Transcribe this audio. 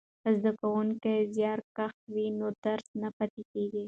که زده کوونکی زیارکښ وي نو درس نه پاتیږي.